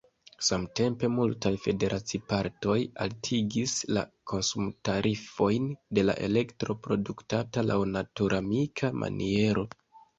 Samtempe multaj federacipartoj altigis la konsumtarifojn de la elektro produktata laŭ naturamika maniero.